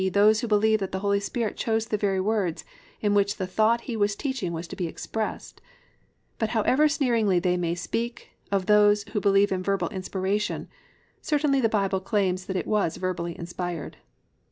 those who believe that the Holy Spirit chose the very words in which the thought he was teaching was to be expressed, but however sneeringly they may speak of those who believe in Verbal Inspiration, certainly the Bible claims that it was verbally inspired.